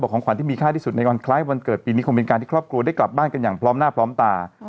ของขวัญที่มีค่าที่สุดในวันคล้ายวันเกิดปีนี้คงเป็นการที่ครอบครัวได้กลับบ้านกันอย่างพร้อมหน้าพร้อมตา